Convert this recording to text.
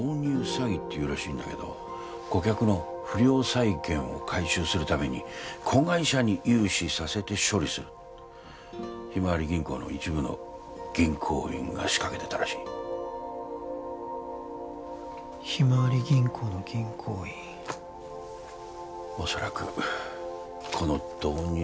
詐欺っていうらしいんだけど顧客の不良債権を回収するために子会社に融資させて処理するひまわり銀行の一部の銀行員が仕掛けてたらしいひまわり銀行の銀行員恐らくこの導入